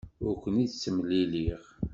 Ur ken-id-ttemliliɣ.